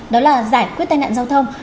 đó là giải quyết tai nạn giao thông